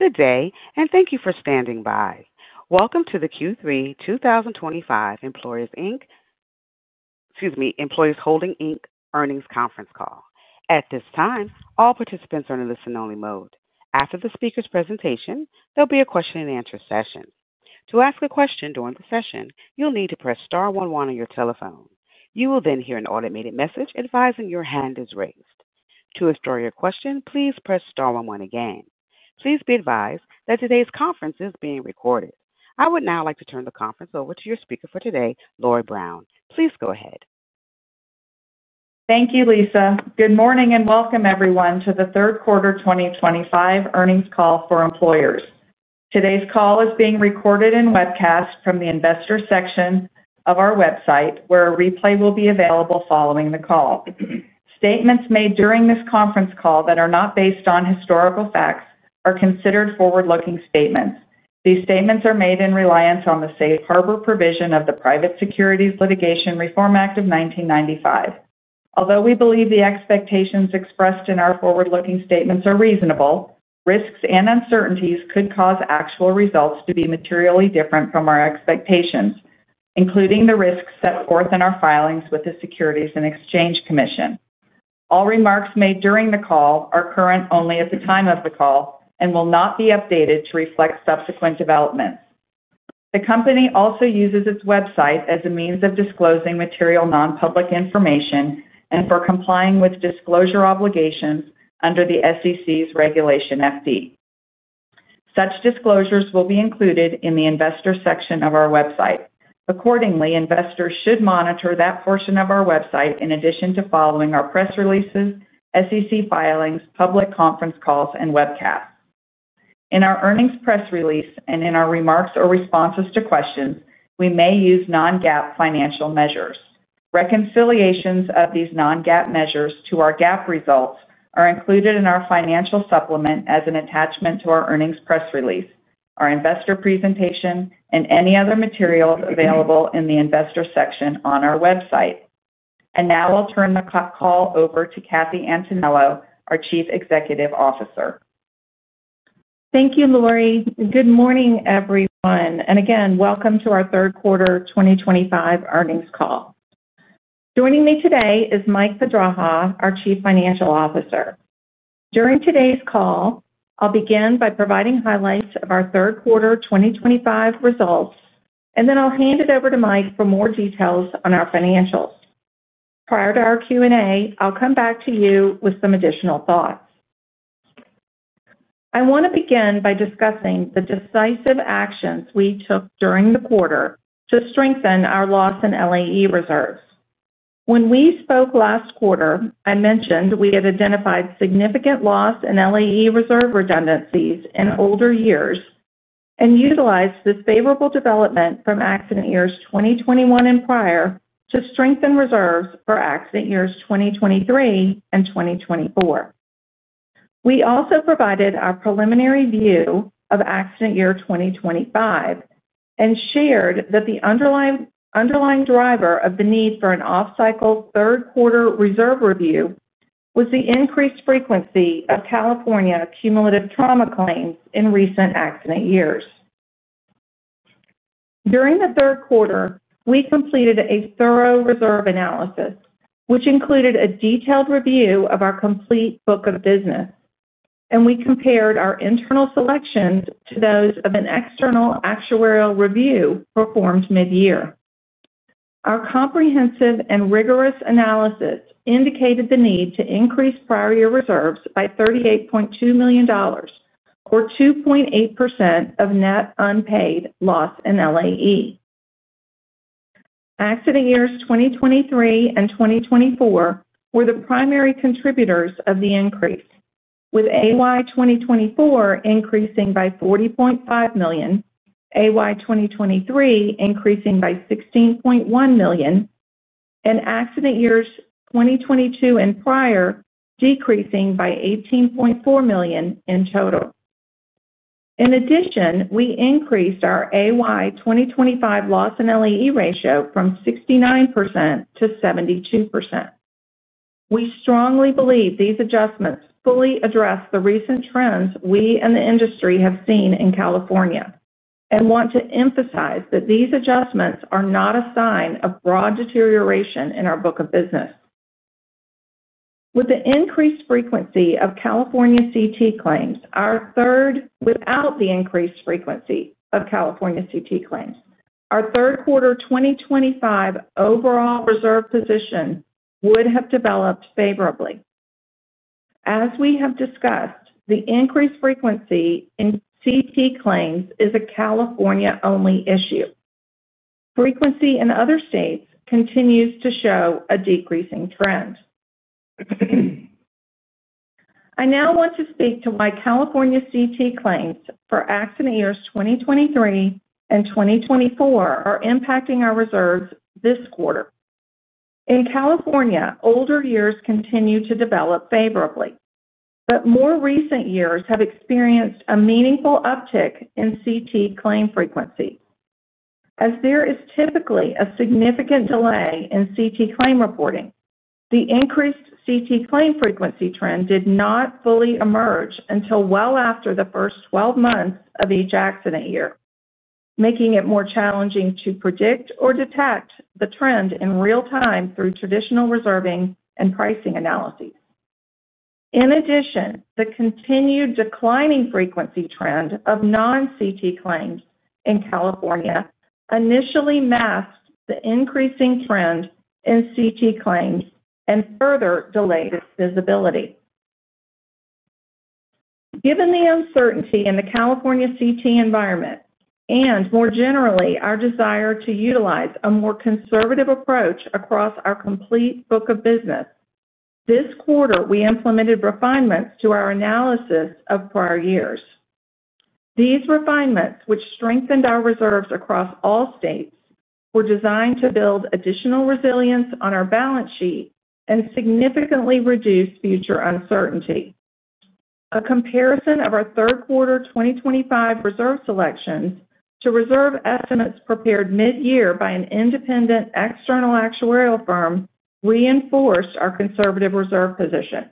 Good day, and thank you for standing by. Welcome to the Q3 2025 Employers Holdings, Inc Earnings Conference Call. At this time, all participants are in a listen-only mode. After the speaker's presentation, there'll be a question-and-answer session. To ask a question during the session, you'll need to press star one one on your telephone. You will then hear an automated message advising your hand is raised. To explore your question, please press star one one again. Please be advised that today's conference is being recorded. I would now like to turn the conference over to your speaker for today, Lori Brown. Please go ahead. Thank you, Lisa. Good morning and welcome, everyone, to the Third Quarter 2025 Earnings Call for Employers. Today's call is being recorded and webcast from the investor section of our website, where a replay will be available following the call. Statements made during this conference call that are not based on historical facts are considered forward-looking statements. These statements are made in reliance on the safe harbor provision of the Private Securities Litigation Reform Act of 1995. Although we believe the expectations expressed in our forward-looking statements are reasonable, risks and uncertainties could cause actual results to be materially different from our expectations, including the risks set forth in our filings with the Securities and Exchange Commission. All remarks made during the call are current only at the time of the call and will not be updated to reflect subsequent developments. The company also uses its website as a means of disclosing material non-public information and for complying with disclosure obligations under the SEC's Regulation FD. Such disclosures will be included in the Investor section of our website. Accordingly, investors should monitor that portion of our website in addition to following our press releases, SEC filings, public conference calls, and webcasts. In our earnings press release and in our remarks or responses to questions, we may use non-GAAP financial measures. Reconciliations of these non-GAAP measures to our GAAP results are included in our financial supplement as an attachment to our earnings press release, our investor presentation, and any other material available in the investor section on our website. Now I'll turn the call over to Kathy Antonello, our Chief Executive Officer. Thank you, Lori. Good morning, everyone. Again, welcome to our Third Quarter 2025 Earnings Call. Joining me today is Mike Pedraja, our Chief Financial Officer. During today's call, I'll begin by providing highlights of our third quarter 2025 results, then I'll hand it over to Mike for more details on our financials. Prior to our Q&A, I'll come back to you with some additional thoughts. I want to begin by discussing the decisive actions we took during the quarter to strengthen our loss and LAE reserves. When we spoke last quarter, I mentioned we had identified significant loss and LAE reserve redundancies in older years and utilized the favorable development from accident years 2021 and prior to strengthen reserves for accident years 2023 and 2024. We also provided our preliminary view of accident year 2025 and shared that the underlying driver of the need for an off-cycle third quarter reserve review was the increased frequency of California cumulative trauma claims in recent accident years. During the third quarter, we completed a thorough reserve analysis, which included a detailed review of our complete book of business. We compared our internal selections to those of an external actuarial review performed mid-year. Our comprehensive and rigorous analysis indicated the need to increase prior year reserves by $38.2 million, or 2.8% of net unpaid loss and LAE. Accident years 2023 and 2024 were the primary contributors of the increase, with AY 2024 increasing by $40.5 million, AY 2023 increasing by $16.1 million, and accident years 2022 and prior decreasing by $18.4 million in total. In addition, we increased our AY 2025 loss and LAE ratio from 69% to 72%. We strongly believe these adjustments fully address the recent trends we and the industry have seen in California. We want to emphasize that these adjustments are not a sign of broad deterioration in our book of business. Without the increased frequency of California CT claims, our third quarter 2025 overall reserve position would have developed favorably. As we have discussed, the increased frequency in CT claims is a California-only issue. Frequency in other states continues to show a decreasing trend. I now want to speak to why California CT claims for accident years 2023 and 2024 are impacting our reserves this quarter. In California, older years continue to develop favorably, but more recent years have experienced a meaningful uptick in CT claim frequency. As there is typically a significant delay in CT claim reporting, the increased CT claim frequency trend did not fully emerge until well after the first 12 months of each accident year, making it more challenging to predict or detect the trend in real time through traditional reserving and pricing analyses. In addition, the continued declining frequency trend of non-CT claims in California initially masked the increasing trend in CT claims and further delayed its visibility. Given the uncertainty in the California CT environment and, more generally, our desire to utilize a more conservative approach across our complete book of business, this quarter, we implemented refinements to our analysis of prior years. These refinements, which strengthened our reserves across all states, were designed to build additional resilience on our balance sheet and significantly reduce future uncertainty. A comparison of our third quarter 2025 reserve selections to reserve estimates prepared mid-year by an independent external actuarial firm reinforced our conservative reserve position.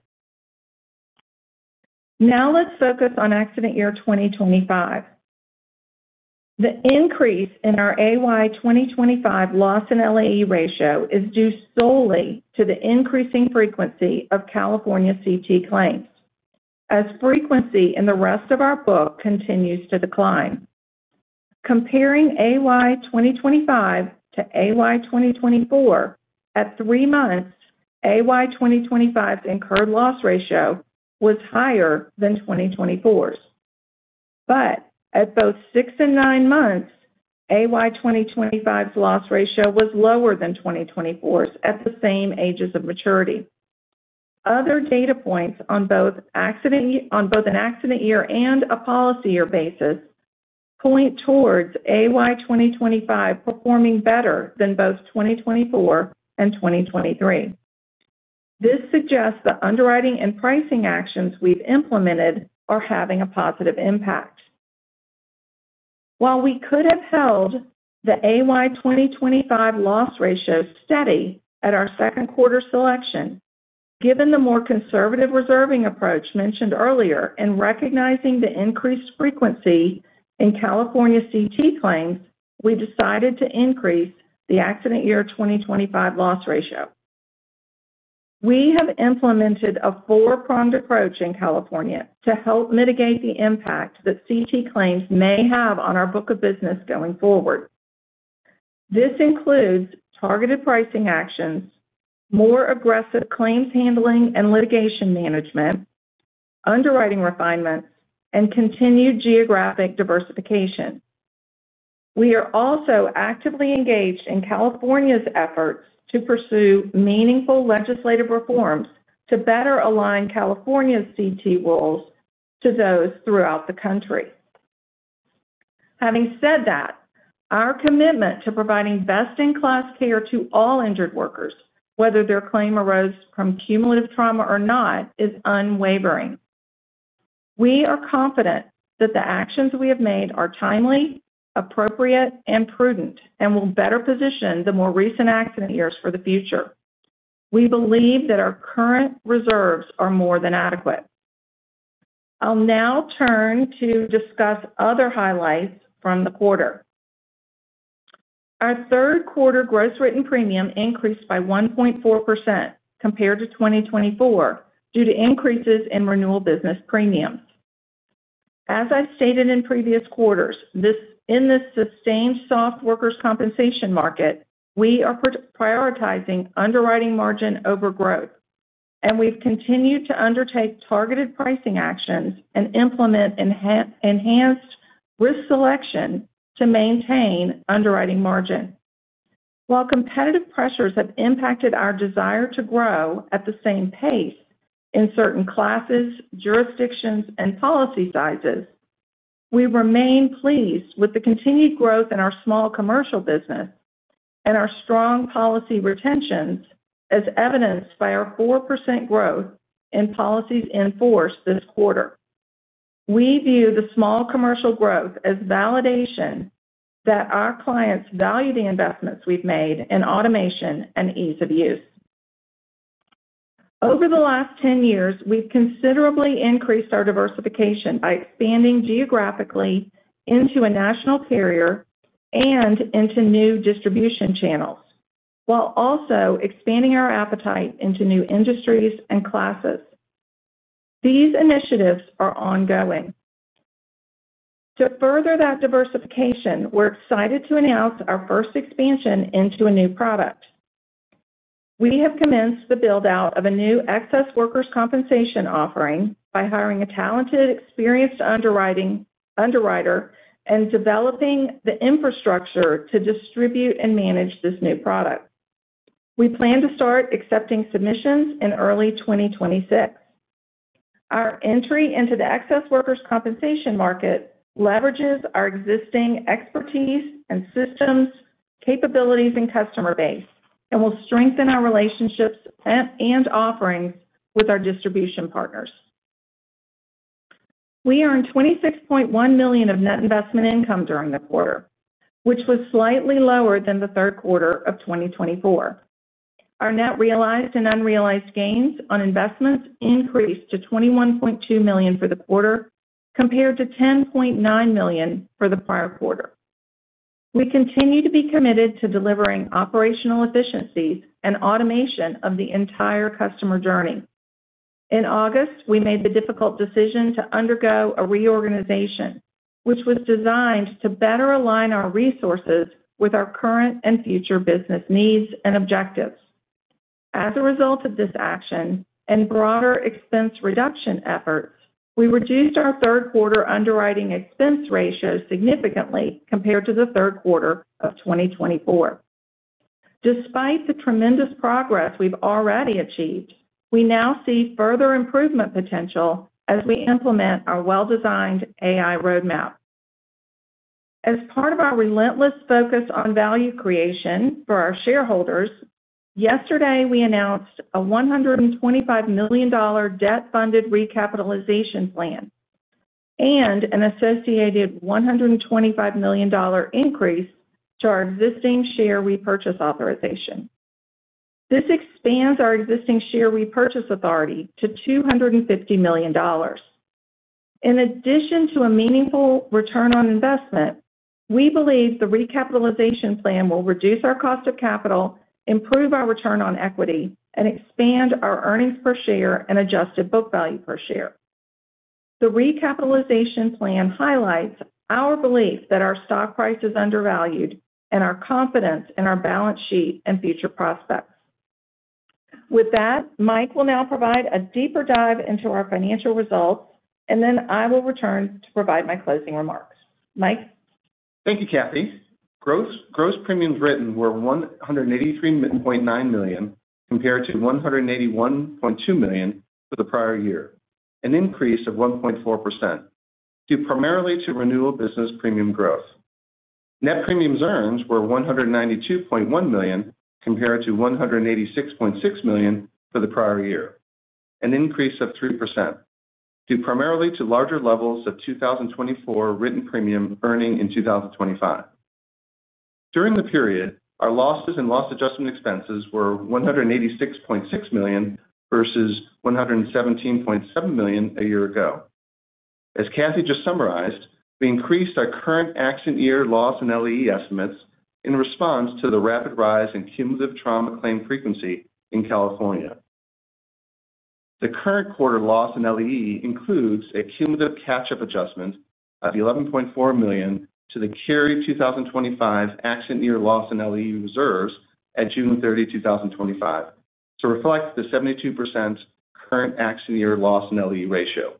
Now let's focus on accident year 2025. The increase in our AY 2025 loss and LAE ratio is due solely to the increasing frequency of California CT claims, as frequency in the rest of our book continues to decline. Comparing AY 2025 to AY 2024, at three months, AY 2025's incurred loss ratio was higher than 2024's. At both six and nine months, AY 2025's loss ratio was lower than 2024's at the same ages of maturity. Other data points on both an accident year and a policy year basis point towards AY 2025 performing better than both 2024 and 2023. This suggests the underwriting and pricing actions we've implemented are having a positive impact. While we could have held the AY 2025 loss ratio steady at our second quarter selection, given the more conservative reserving approach mentioned earlier and recognizing the increased frequency in California CT claims, we decided to increase the accident year 2025 loss ratio. We have implemented a four-pronged approach in California to help mitigate the impact that CT claims may have on our book of business going forward. This includes targeted pricing actions, more aggressive claims handling and litigation management, underwriting refinements, and continued geographic diversification. We are also actively engaged in California's efforts to pursue meaningful legislative reforms to better align California's CT roles to those throughout the country. Having said that, our commitment to providing best-in-class care to all injured workers, whether their claim arose from cumulative trauma or not, is unwavering. We are confident that the actions we have made are timely, appropriate, and prudent, and will better position the more recent accident years for the future. We believe that our current reserves are more than adequate. I'll now turn to discuss other highlights from the quarter. Our third quarter gross written premium increased by 1.4% compared to 2024 due to increases in renewal business premiums. As I stated in previous quarters, in this sustained soft workers' compensation market, we are prioritizing underwriting margin over growth, and we've continued to undertake targeted pricing actions and implement enhanced risk selection to maintain underwriting margin. While competitive pressures have impacted our desire to grow at the same pace in certain classes, jurisdictions, and policy sizes, we remain pleased with the continued growth in our Small Commercial business and our strong policy retentions, as evidenced by our 4% growth in policies in force this quarter. We view the small commercial growth as validation that our clients value the investments we've made in automation and ease of use. Over the last 10 years, we've considerably increased our diversification by expanding geographically into a national carrier and into new distribution channels, while also expanding our appetite into new industries and classes. These initiatives are ongoing. To further that diversification, we're excited to announce our first expansion into a new product. We have commenced the build-out of a new excess workers’ compensation offering by hiring a talented, experienced underwriter and developing the infrastructure to distribute and manage this new product. We plan to start accepting submissions in early 2026. Our entry into the excess workers’ compensation market leverages our existing expertise and systems, capabilities, and customer base, and will strengthen our relationships and offerings with our distribution partners. We earned $26.1 million of net investment income during the quarter, which was slightly lower than the third quarter of 2024. Our net realized and unrealized gains on investments increased to $21.2 million for the quarter, compared to $10.9 million for the prior quarter. We continue to be committed to delivering operational efficiencies and automation of the entire customer journey. In August, we made the difficult decision to undergo a reorganization, which was designed to better align our resources with our current and future business needs and objectives. As a result of this action and broader expense reduction efforts, we reduced our third quarter underwriting expense ratio significantly compared to the third quarter of 2024. Despite the tremendous progress we've already achieved, we now see further improvement potential as we implement our well-designed AI roadmap. As part of our relentless focus on value creation for our shareholders, yesterday we announced a $125 million debt-funded recapitalization plan and an associated $125 million increase to our existing share repurchase authorization. This expands our existing share repurchase authority to $250 million. In addition to a meaningful return on investment, we believe the recapitalization plan will reduce our cost of capital, improve our return on equity, and expand our earnings per share and adjusted book value per share. The recapitalization plan highlights our belief that our stock price is undervalued and our confidence in our balance sheet and future prospects. With that, Mike will now provide a deeper dive into our financial results, and then I will return to provide my closing remarks. Mike. Thank you, Kathy. Gross premiums written were $183.9 million compared to $181.2 million for the prior year, an increase of 1.4% due primarily to renewal business premium growth. Net premiums earned were $192.1 million compared to $186.6 million for the prior year, an increase of 3% due primarily to larger levels of 2024 written premium earning in 2025. During the period, our losses and loss adjustment expenses were $186.6 million versus $117.7 million a year ago. As Kathy just summarized, we increased our current accident year loss and LAE estimates in response to the rapid rise in cumulative trauma claim frequency in California. The current quarter loss and LAE includes a cumulative catch-up adjustment of $11.4 million to the carry 2025 accident year loss and LAE reserves at June 30, 2025, to reflect the 72% current accident year loss and LAE ratio.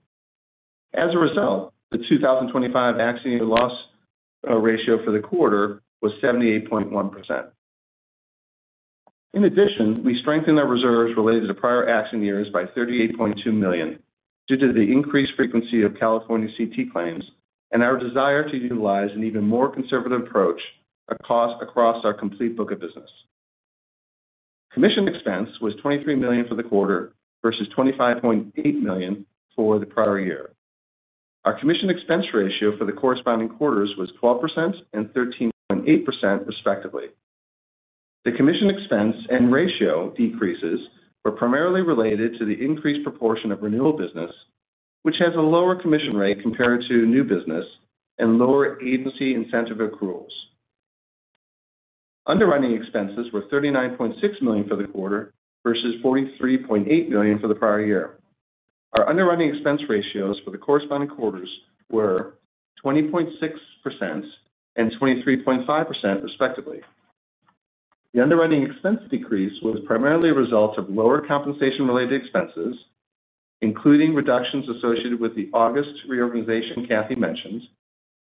As a result, the 2025 accident year loss ratio for the quarter was 78.1%. In addition, we strengthened our reserves related to prior accident years by $38.2 million due to the increased frequency of California CT claims and our desire to utilize an even more conservative approach across our complete book of business. Commission expense was $23 million for the quarter versus $25.8 million for the prior year. Our commission expense ratio for the corresponding quarters was 12% and 13.8%, respectively. The commission expense and ratio decreases were primarily related to the increased proportion of renewal business, which has a lower commission rate compared to new business and lower agency incentive accruals. Underwriting expenses were $39.6 million for the quarter versus $43.8 million for the prior year. Our underwriting expense ratios for the corresponding quarters were 20.6% and 23.5%, respectively. The underwriting expense decrease was primarily a result of lower compensation-related expenses, including reductions associated with the August reorganization Kathy mentioned,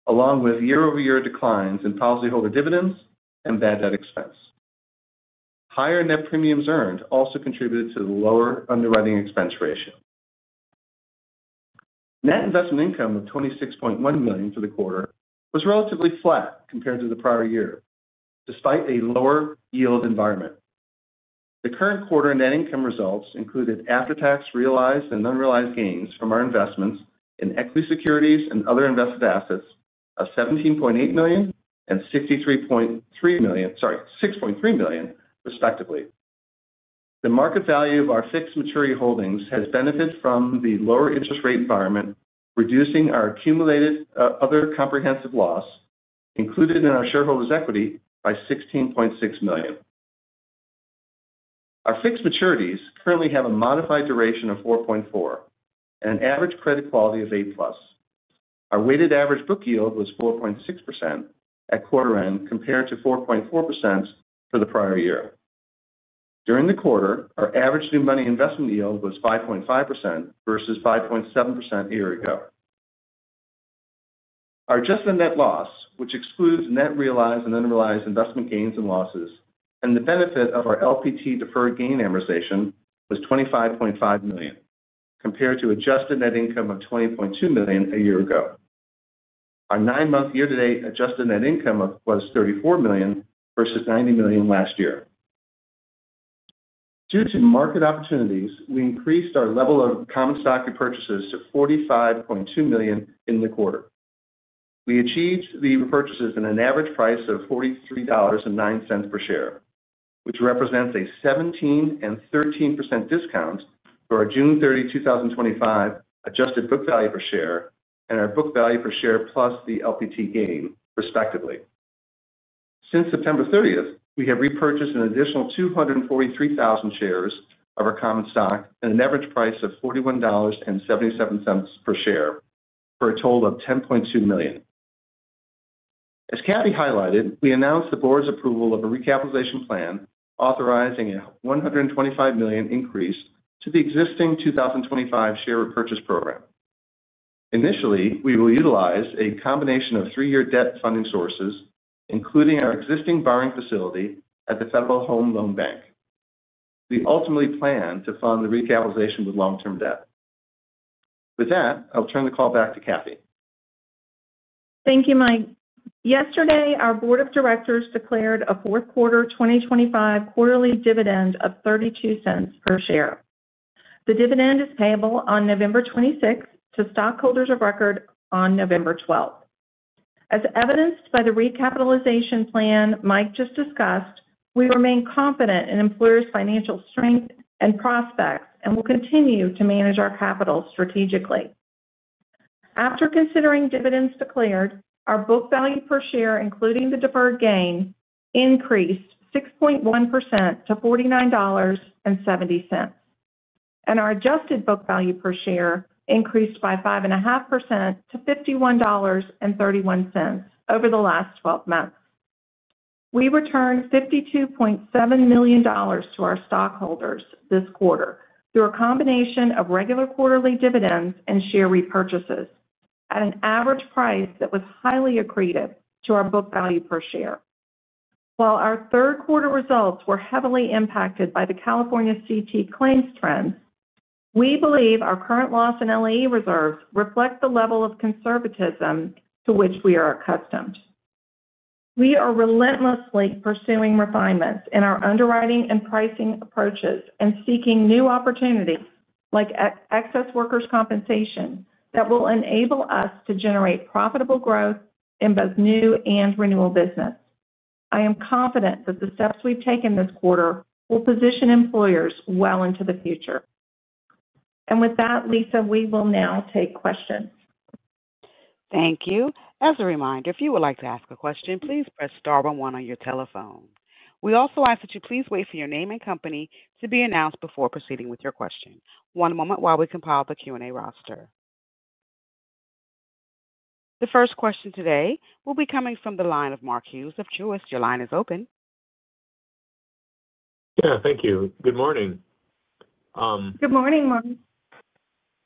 along with year-over-year declines in policyholder dividends and bad debt expense. Higher net premiums earned also contributed to the lower underwriting expense ratio. Net investment income of $26.1 million for the quarter was relatively flat compared to the prior year, despite a lower yield environment. The current quarter net income results included after-tax realized and unrealized gains from our investments in equity securities and other invested assets of $17.8 million and $63.3 million, sorry, $6.3 million respectively. The market value of our fixed maturity holdings has benefited from the lower interest rate environment, reducing our accumulated other comprehensive loss included in our shareholders' equity by $16.6 million. Our fixed maturities currently have a modified duration of 4.4 and an average credit quality of A+. Our weighted average book yield was 4.6% at quarter end compared to 4.4% for the prior year. During the quarter, our average new money investment yield was 5.5% versus 5.7% a year ago. Our adjusted net loss, which excludes net realized and unrealized investment gains and losses, and the benefit of our LPT deferred gain amortization was $25.5 million compared to adjusted net income of $20.2 million a year ago. Our nine-month year-to-date adjusted net income was $34 million versus $90 million last year. Due to market opportunities, we increased our level of common stock repurchases to $45.2 million in the quarter. We achieved the repurchases at an average price of $43.09 per share, which represents a 17% and 13% discount for our June 30, 2025, adjusted book value per share and our book value per share plus the LPT gain, respectively. Since September 30th, we have repurchased an additional 243,000 shares of our common stock at an average price of $41.77 per share for a total of $10.2 million. As Kathy highlighted, we announced the Board's approval of a recapitalization plan authorizing a $125 million increase to the existing 2025 share repurchase program. Initially, we will utilize a combination of three-year debt funding sources, including our existing borrowing facility at the Federal Home Loan Bank. We ultimately plan to fund the recapitalization with long-term debt. With that, I'll turn the call back to Kathy. Thank you, Mike. Yesterday, our Board of Directors declared a fourth quarter 2025 quarterly dividend of $0.32 per share. The dividend is payable on November 26 to stockholders of record on November 12. As evidenced by the recapitalization plan Mike just discussed, we remain confident in Employers' financial strength and prospects and will continue to manage our capital strategically. After considering dividends declared, our book value per share, including the deferred gain, increased 6.1% to $49.70. Our adjusted book value per share increased by 5.5% to $51.31 over the last 12 months. We returned $52.7 million to our stockholders this quarter through a combination of regular quarterly dividends and share repurchases at an average price that was highly accretive to our book value per share. While our third quarter results were heavily impacted by the California CT claims trends, we believe our current loss and LAE reserves reflect the level of conservatism to which we are accustomed. We are relentlessly pursuing refinements in our underwriting and pricing approaches and seeking new opportunities like excess workers’ compensation that will enable us to generate profitable growth in both new and renewal business. I am confident that the steps we've taken this quarter will position Employers well into the future. Lisa, we will now take questions. Thank you. As a reminder, if you would like to ask a question, please press star one one on your telephone. We also ask that you please wait for your name and company to be announced before proceeding with your question. One moment while we compile the Q&A roster. The first question today will be coming from the line of Mark Hughes of Truist. Your line is open. Yeah, thank you. Good morning. Good morning, Mark.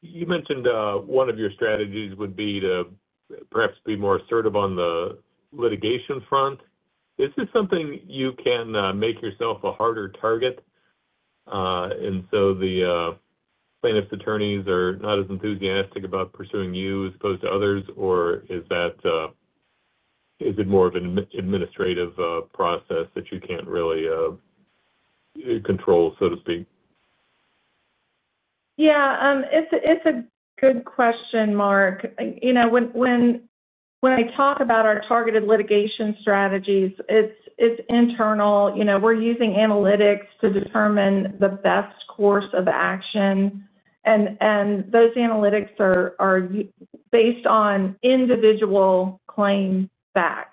You mentioned one of your strategies would be to perhaps be more assertive on the litigation front. Is this something you can make yourself a harder target, and so the plaintiff's attorneys are not as enthusiastic about pursuing you as opposed to others, or is it more of an administrative process that you can't really control, so to speak? Yeah, it's a good question, Mark. When I talk about our targeted litigation strategies, it's internal. We're using analytics to determine the best course of action, and those analytics are based on individual claim facts.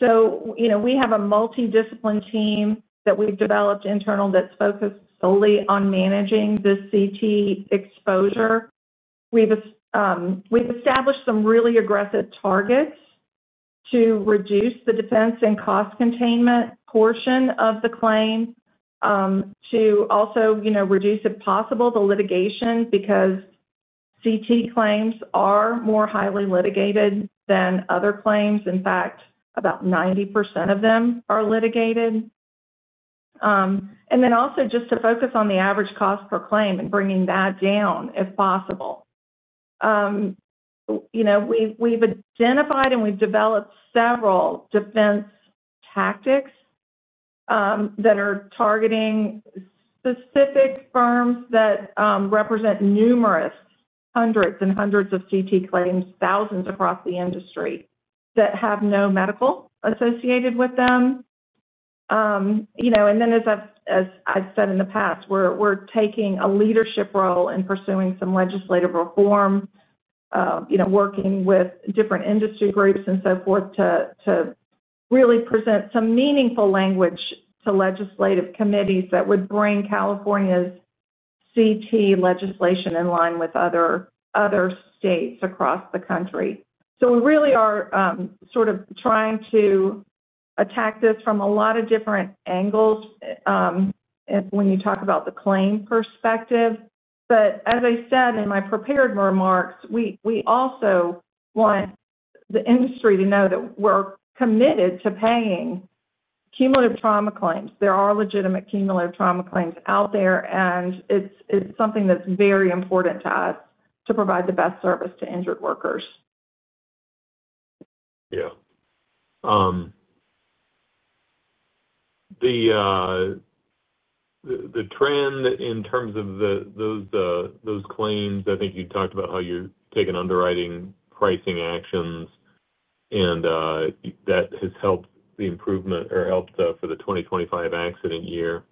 We have a multi-disciplined team that we've developed internal that's focused solely on managing the CT exposure. We've established some really aggressive targets to reduce the defense and cost containment portion of the claim, to also reduce, if possible, the litigation because CT claims are more highly litigated than other claims. In fact, about 90% of them are litigated. Also, just to focus on the average cost per claim and bringing that down if possible. We've identified and we've developed several defense tactics that are targeting specific firms that represent numerous hundreds and hundreds of CT claims, thousands across the industry that have no medical associated with them. As I've said in the past, we're taking a leadership role in pursuing some legislative reform, working with different industry groups and so forth to really present some meaningful language to legislative committees that would bring California's CT legislation in line with other states across the country. We really are sort of trying to attack this from a lot of different angles when you talk about the claim perspective. As I said in my prepared remarks, we also want the industry to know that we're committed to paying cumulative trauma claims. There are legitimate cumulative trauma claims out there, and it's something that's very important to us to provide the best service to injured workers. Yeah. The trend in terms of those claims, I think you talked about how you're taking underwriting pricing actions, and that has helped the improvement or helped for the 2025 accident year.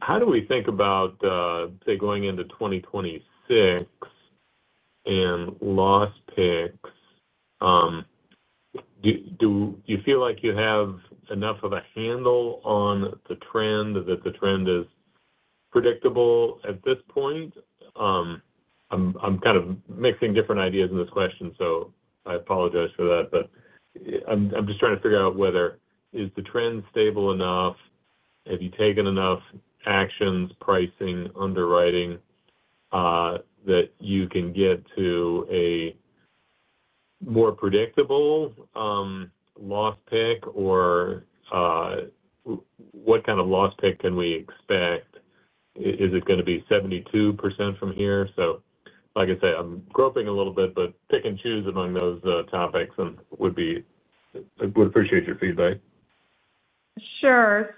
How do we think about going into 2026? And loss picks? Do you feel like you have enough of a handle on the trend, that the trend is predictable at this point? I'm kind of mixing different ideas in this question, so I apologize for that. I'm just trying to figure out whether the trend is stable enough. Have you taken enough actions, pricing, underwriting, that you can get to a more predictable loss pick, or what kind of loss pick can we expect? Is it going to be 72% from here? Like I say, I'm groping a little bit, but pick and choose among those topics and would appreciate your feedback. Sure.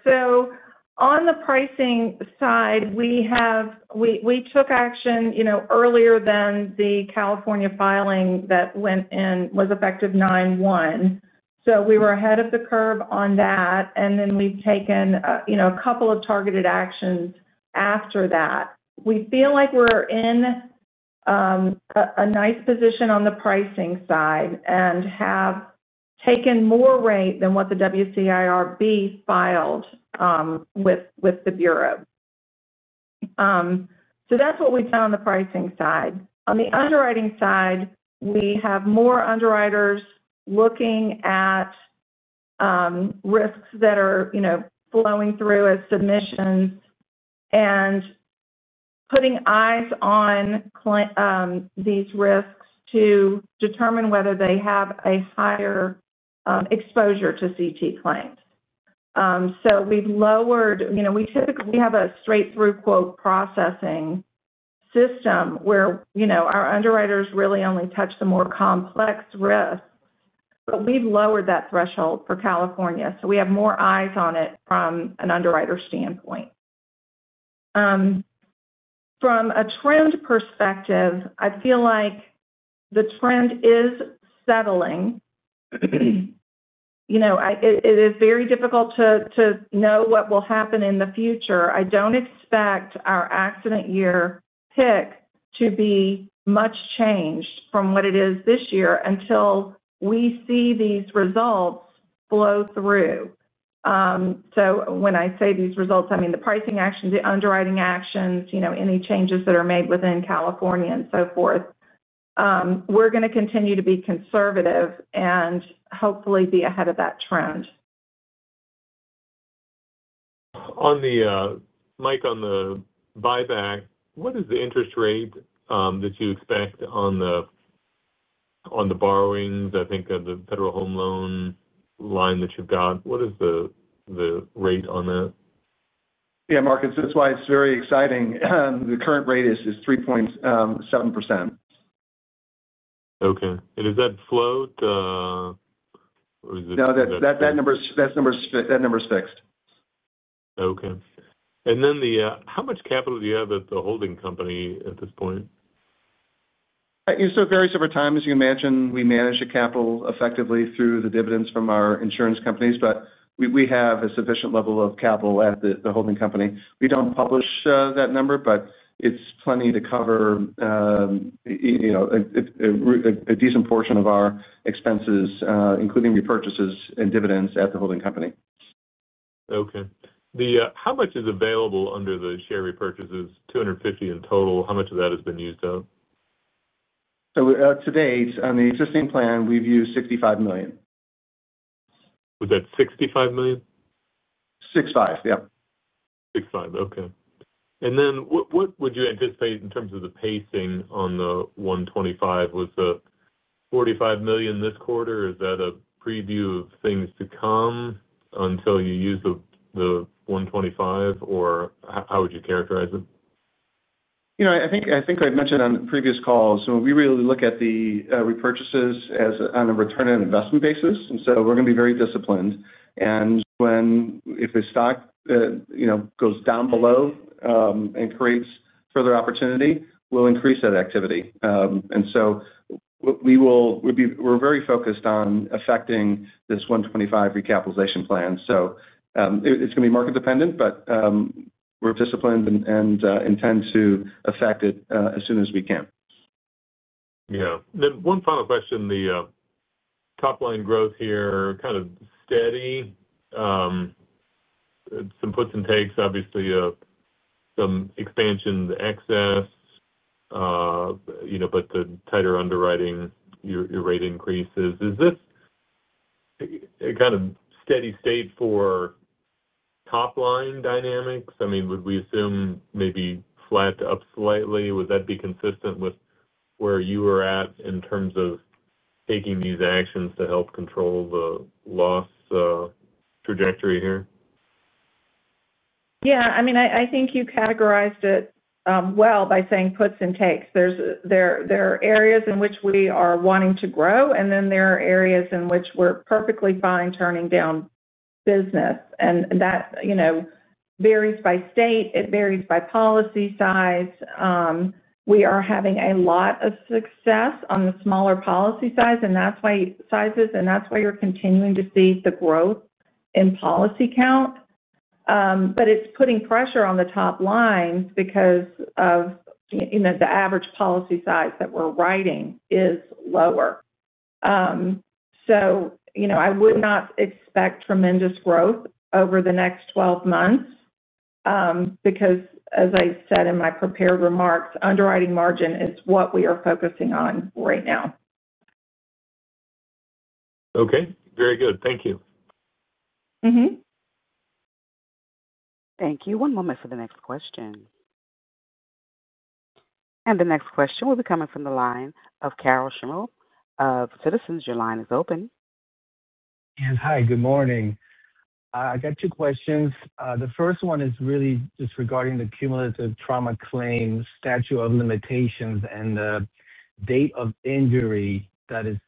On the pricing side, we took action earlier than the California filing that went in, was effective 9/1. We were ahead of the curve on that. We have taken a couple of targeted actions after that. We feel like we're in a nice position on the pricing side and have taken more rate than what the WCIRB filed with the bureau. That's what we found on the pricing side. On the underwriting side, we have more underwriters looking at risks that are flowing through as submissions and putting eyes on these risks to determine whether they have a higher exposure to CT claims. We have a straight-through quote processing system where our underwriters really only touch the more complex risks, but we've lowered that threshold for California. We have more eyes on it from an underwriter standpoint. From a trend perspective, I feel like the trend is settling. It is very difficult to know what will happen in the future. I don't expect our accident year pick to be much changed from what it is this year until we see these results flow through. When I say these results, I mean the pricing actions, the underwriting actions, any changes that are made within California and so forth. We're going to continue to be conservative and hopefully be ahead of that trend. Mike, on the buyback, what is the interest rate that you expect on the borrowings, I think, of the Federal Home Loan line that you've got? What is the rate on that? Yeah, Mark, that's why it's very exciting. The current rate is 3.7%. Okay. Has that flowed, or is it— No, that number is fixed. Okay. How much capital do you have at the holding company at this point? Various different times, you can imagine we manage the capital effectively through the dividends from our insurance companies. We have a sufficient level of capital at the holding company. We don't publish that number, but it's plenty to cover a decent portion of our expenses, including repurchases and dividends at the holding company. Okay. How much is available under the share repurchases? $250 million in total. How much of that has been used up? To date, on the existing plan, we've used $65 million. Was that $65 million? $65 million, yeah. $65 million, okay. What would you anticipate in terms of the pacing on the $125 million? Was the $45 million this quarter? Is that a preview of things to come until you use the $125 million? How would you characterize it? I think I've mentioned on previous calls, we really look at the repurchases on a return on investment basis. We're going to be very disciplined. If the stock goes down below and creates further opportunity, we'll increase that activity. We're very focused on effecting this $125 million recapitalization plan. It's going to be market-dependent, but we're disciplined and intend to effect it as soon as we can. One final question. The top-line growth here is kind of steady. Some puts and takes, obviously. Some expansion to excess, but the tighter underwriting, your rate increases. Is this a kind of steady state for top-line dynamics? Would we assume maybe flat up slightly? Would that be consistent with where you are at in terms of taking these actions to help control the loss trajectory here? Yeah. I think you categorized it well by saying puts and takes. There are areas in which we are wanting to grow, and there are areas in which we're perfectly fine turning down business. That varies by state. It varies by policy size. We are having a lot of success on the smaller policy sizes, and that's why you're continuing to see the growth in policy count. It's putting pressure on the top lines because the average policy size that we're writing is lower. I would not expect tremendous growth over the next 12 months because, as I said in my prepared remarks, underwriting margin is what we are focusing on right now. Very good. Thank you. Thank you. One moment for the next question. The next question will be coming from the line of Karol Chmiel of Citizens. Your line is open. Hi, good morning. I got two questions. The first one is really just regarding the cumulative trauma claim statute of limitations and the date of injury that is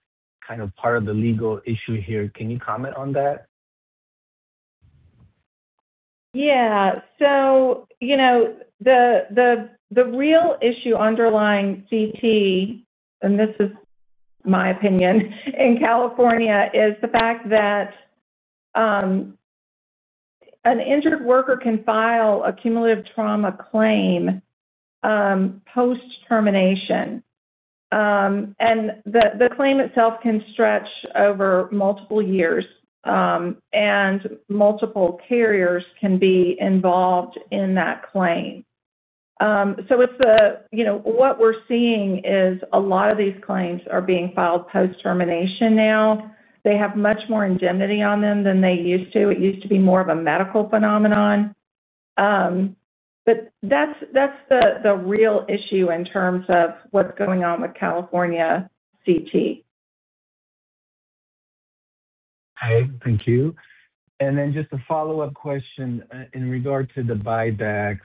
kind of part of the legal issue here. Can you comment on that? Yeah. The real issue underlying CT—and this is my opinion—in California is the fact that an injured worker can file a cumulative trauma claim post-termination. The claim itself can stretch over multiple years, and multiple carriers can be involved in that claim. What we're seeing is a lot of these claims are being filed post-termination now. They have much more indemnity on them than they used to. It used to be more of a medical phenomenon. That's the real issue in terms of what's going on with California CT. Hi. Thank you. Just a follow-up question in regard to the buybacks.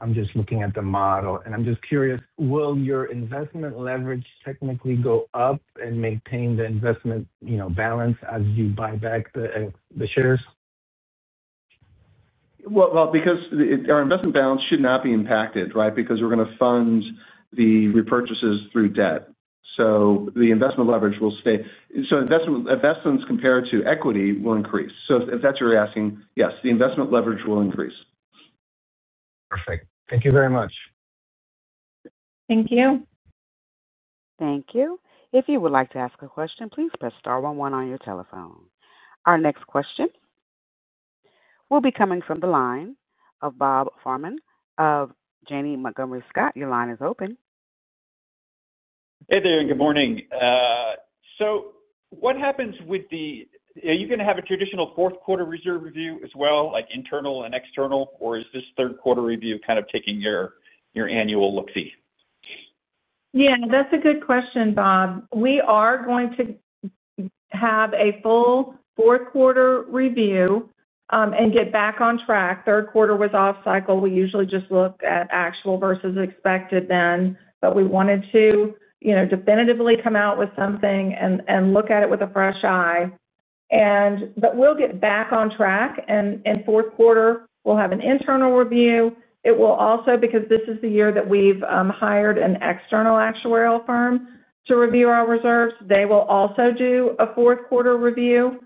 I'm just looking at the model. I'm just curious, will your investment leverage technically go up and maintain the investment balance as you buy back the shares? Our investment balance should not be impacted, right? We're going to fund the repurchases through debt. The investment leverage will stay. Investments compared to equity will increase. If that's what you're asking, yes, the investment leverage will increase. Perfect. Thank you very much. Thank you. Thank you. If you would like to ask a question, please press star one one on your telephone. Our next question will be coming from the line of Bob Farnam of Janney Montgomery Scott. Your line is open. Hey there. Good morning. What happens with the—are you going to have a traditional fourth-quarter reserve review as well, like internal and external? Or is this third-quarter review kind of taking your annual look fee? That's a good question, Bob. We are going to have a full fourth-quarter review and get back on track. Third quarter was off-cycle. We usually just look at actual versus expected then. We wanted to definitively come out with something and look at it with a fresh eye. We'll get back on track. In fourth quarter, we'll have an internal review. It will also, because this is the year that we've hired an external actuarial firm to review our reserves, they will also do a fourth-quarter review.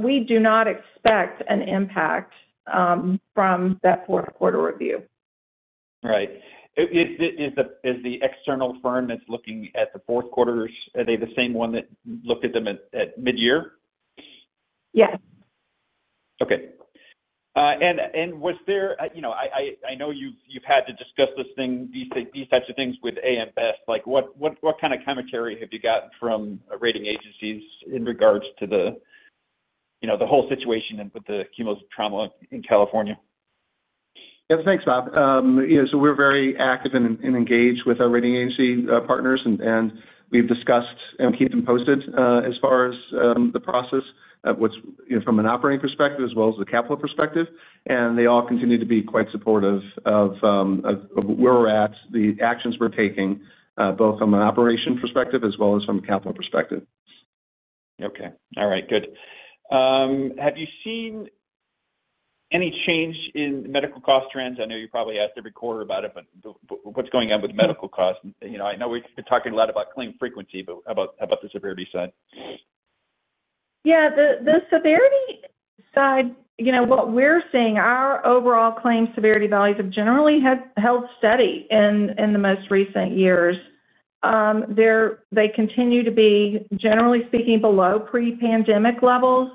We do not expect an impact from that fourth-quarter review. Right. Is the external firm that's looking at the fourth quarter, are they the same one that looked at them at mid-year? Yes. Okay. I know you've had to discuss these types of things with AM Best. What kind of commentary have you gotten from rating agencies in regards to the whole situation with the cumulative trauma in California? Thanks, Bob. We're very active and engaged with our rating agency partners, and we've discussed and we've kept them posted as far as the process. From an operating perspective as well as the capital perspective, they all continue to be quite supportive of where we're at, the actions we're taking, both from an operation perspective as well as from a capital perspective. Okay. All right. Good. Have you seen any change in medical cost trends? I know you probably get asked every quarter about it, but what's going on with medical costs? I know we've been talking a lot about claim frequency, but how about the severity side? Yeah, the severity side, what we're seeing, our overall claim severity values have generally held steady in the most recent years. They continue to be, generally speaking, below pre-pandemic levels,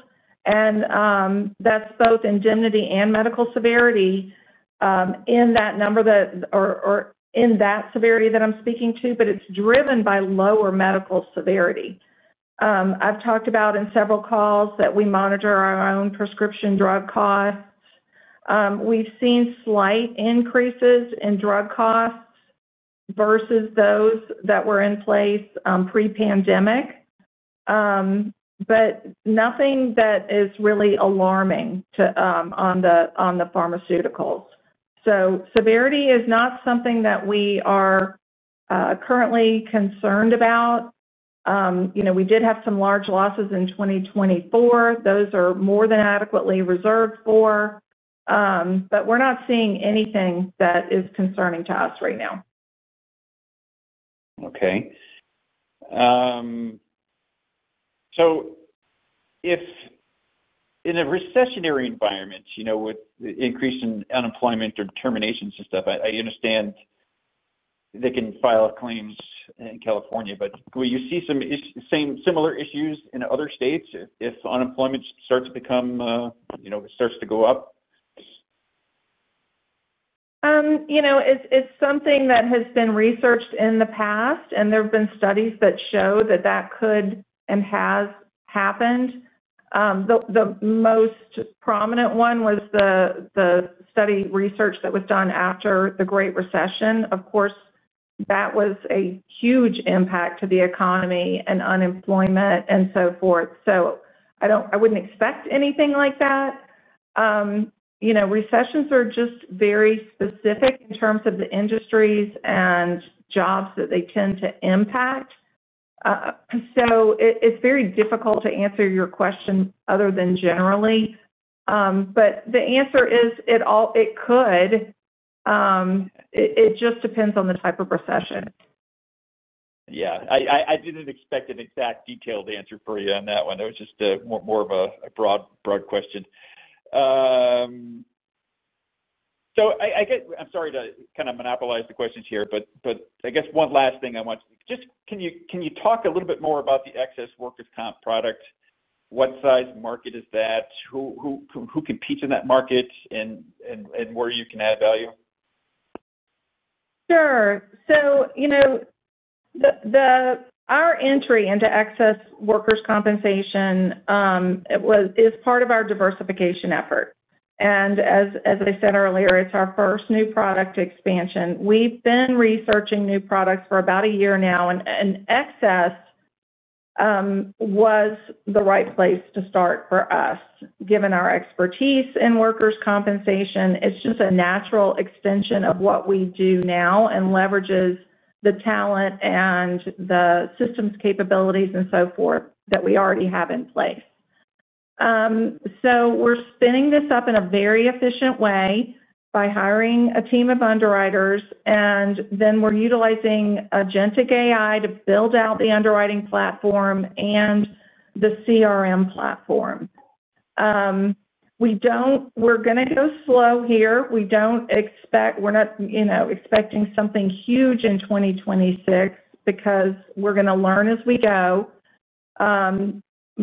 and that's both indemnity and medical severity in that number or in that severity that I'm speaking to, but it's driven by lower medical severity. I've talked about in several calls that we monitor our own prescription drug costs. We've seen slight increases in drug costs versus those that were in place pre-pandemic, but nothing that is really alarming on the pharmaceuticals. Severity is not something that we are currently concerned about. We did have some large losses in 2024. Those are more than adequately reserved for, but we're not seeing anything that is concerning to us right now. Okay. In a recessionary environment with the increase in unemployment or terminations and stuff, I understand they can file claims in California. Will you see some similar issues in other states if unemployment starts to go up? It's something that has been researched in the past, and there have been studies that show that could and has happened. The most prominent one was the study research that was done after the Great Recession. Of course, that was a huge impact to the economy and unemployment and so forth. I wouldn't expect anything like that. Recessions are just very specific in terms of the industries and jobs that they tend to impact. It's very difficult to answer your question other than generally, but the answer is it could. It just depends on the type of recession. Yeah, I didn't expect an exact detailed answer for you on that one. That was just more of a broad question. I guess I'm sorry to kind of monopolize the questions here, but I guess one last thing I want to—just can you talk a little bit more about the excess workers’ compensation product? What size market is that? Who competes in that market and where you can add value? Sure. So. Our entry into excess workers’ compensation is part of our diversification effort. As I said earlier, it’s our first new product expansion. We’ve been researching new products for about a year now, and excess was the right place to start for us, given our expertise in workers’ compensation. It’s just a natural extension of what we do now and leverages the talent and the systems capabilities and so forth that we already have in place. We’re spinning this up in a very efficient way by hiring a team of underwriters, and then we’re utilizing Agentic AI to build out the underwriting platform and the CRM platform. We’re going to go slow here. We’re not expecting something huge in 2026 because we’re going to learn as we go,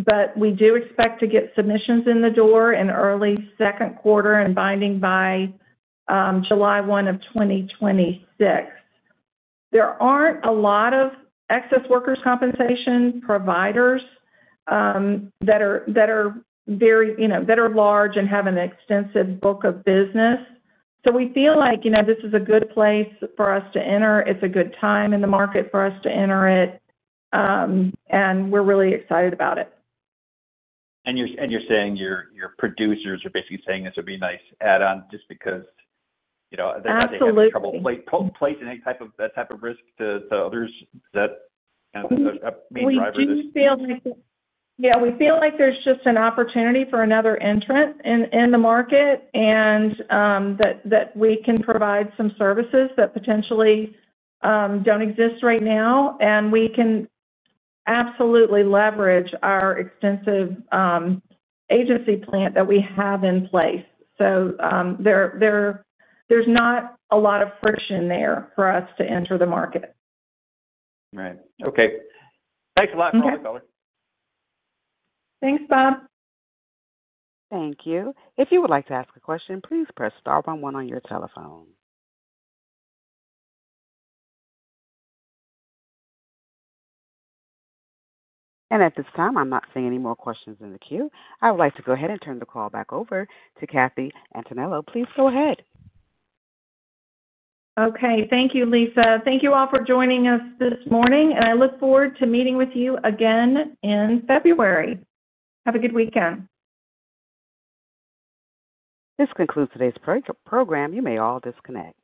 but we do expect to get submissions in the door in early second quarter and binding by July 1 of 2026. There aren’t a lot of excess workers’ compensation providers that are large and have an extensive book of business. We feel like this is a good place for us to enter. It’s a good time in the market for us to enter it, and we’re really excited about it. You’re saying your producers are basically saying this would be a nice add-on just because they’re not taking any trouble placing any type of risk to others. Is that kind of a main driver? We do feel like there’s just an opportunity for another entrant in the market and that we can provide some services that potentially don’t exist right now. We can absolutely leverage our extensive agency plant that we have in place. There’s not a lot of friction there for us to enter the market. Right. Okay. Thanks a lot, Kathy Antonello. Thanks, Bob. Thank you. If you would like to ask a question, please press star one one on your telephone. At this time, I’m not seeing any more questions in the queue. I would like to go ahead and turn the call back over to Kathy Antonello. Please go ahead. Okay. Thank you, Lisa. Thank you all for joining us this morning. I look forward to meeting with you again in February. Have a good weekend. This concludes today’s program. You may all disconnect.